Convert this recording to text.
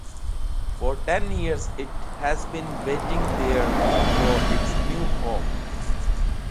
For ten years it has been waiting there for its new home.